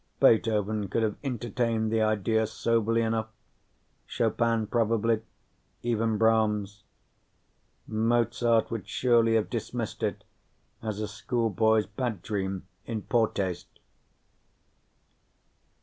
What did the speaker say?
Beethoven could have entertained the idea soberly enough; Chopin probably; even Brahms. Mozart would surely have dismissed it as somebody's bad dream, in poor taste.